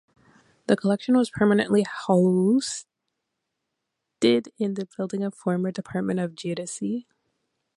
The collection was permanently hosted in the building of former department of geodesy.